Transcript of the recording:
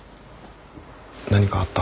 何かあった？